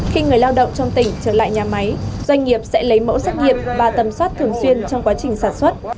khi người lao động trong tỉnh trở lại nhà máy doanh nghiệp sẽ lấy mẫu xét nghiệm và tầm soát thường xuyên trong quá trình sản xuất